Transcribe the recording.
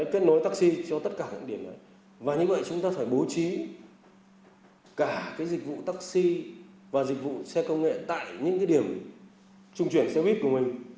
kết nối taxi cho tất cả các điểm đấy và như vậy chúng ta phải bố trí cả dịch vụ taxi và dịch vụ xe công nghệ tại những điểm trung chuyển xe buýt của mình